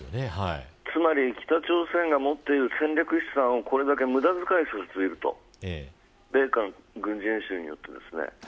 つまり、北朝鮮が持っている戦略資産をこれだけ無駄遣いさせていると米韓軍事演習によって。